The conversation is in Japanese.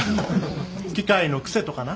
機械の癖とかな。